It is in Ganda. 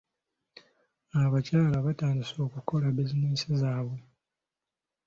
Abakyala batandise okukola bizinensi ezaabwe.